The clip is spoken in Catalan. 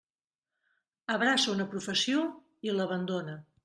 Abraça una professió, i l'abandona.